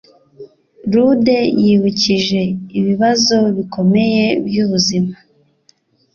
Rude yibukije ibibazo bikomeye byubuzima